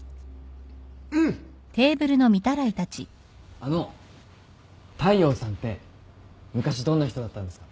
あの大陽さんって昔どんな人だったんですか？